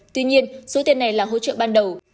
tuy nhiên số tiền này là hỗ trợ ban đầu